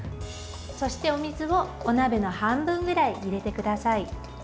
そして、お水をお鍋の半分ぐらい入れてください。